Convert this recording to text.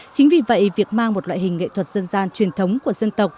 chính vì vậy việc mang một loại hình nghệ thuật dân gian truyền thống của dân tộc